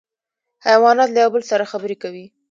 حیوانات له یو بل سره خبرې کوي